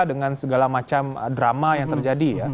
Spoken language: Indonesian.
dengan segala macam drama yang terjadi ya